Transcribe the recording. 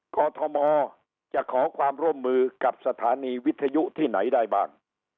กรทมจะขอความร่วมมือกับสถานีวิทยุที่ไหนได้บ้าง